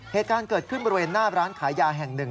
เหตุการณ์เกิดขึ้นบริเวณหน้าร้านขายยาแห่งหนึ่ง